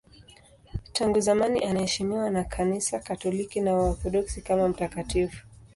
Tangu zamani anaheshimiwa na Kanisa Katoliki na Waorthodoksi kama mtakatifu.